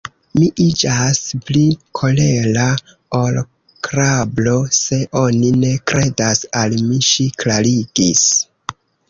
Mi iĝas pli kolera ol krabro, se oni ne kredas al mi, ŝi klarigis.